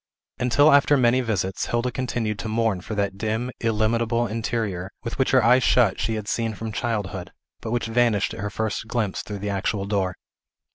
Until after many visits, Hilda continued to mourn for that dim, illimitable interior, which with her eyes shut she had seen from childhood, but which vanished at her first glimpse through the actual door.